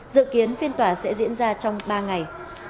dự kiến phiên tòa sẽ diễn ra trong ba ngày